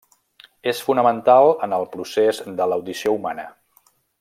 És fonamental en el procés de l'audició humana.